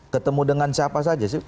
ketemu dengan siapa saja sih